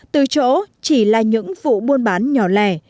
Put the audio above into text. từ chỗ chỉ là những vụ buôn bán nhỏ lẻ